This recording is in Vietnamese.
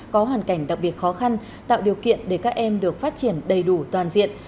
có hoàn cảnh đặc biệt khó khăn tạo điều kiện để các em được phát triển đầy đủ toàn diện